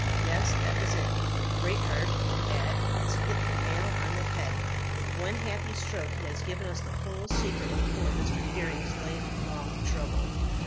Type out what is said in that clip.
Yes, that was it. Greatheart in that has hit the nail on the head. With one happy stroke he has given us the whole secret of poor Mr. Fearing's life long trouble.